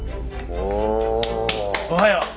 おはよう。